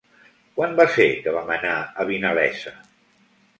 Quan va ser que vam anar a Vinalesa?